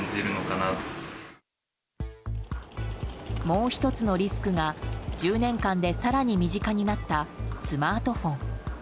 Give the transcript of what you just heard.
もう１つのリスクが１０年間で更に身近になったスマートフォン。